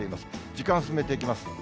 時間進めていきます。